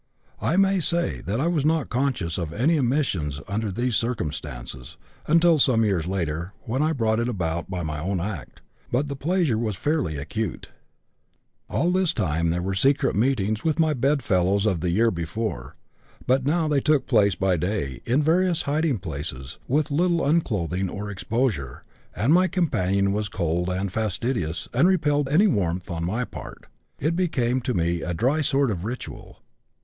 I may say that I was not conscious of any emissions under these circumstances (until some years later, when I brought it about by my own act), but the pleasure was fairly acute. "All this time there were secret meetings, with my bedfellow of the year before. But they now took place by day, in various hiding places, with little unclothing or exposure, and my companion was cold and fastidious and repelled any warmth on my part; it became to me a dry sort of ritual.